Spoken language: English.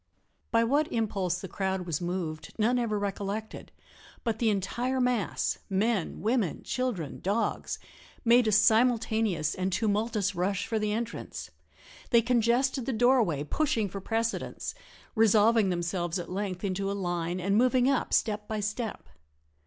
By what impulse the crowd was moved none ever recollected, but the entire mass men, women, children, dogs made a simultaneous and tumultuous rush for the entrance. They congested the doorway, pushing for precedence resolving themselves at length into a line and moving up step by step.